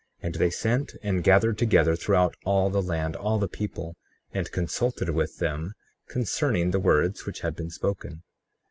35:4 And they sent and gathered together throughout all the land all the people, and consulted with them concerning the words which had been spoken.